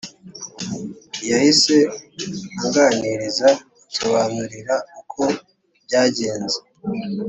yahise anganiriza ansobanurira uko byagenze,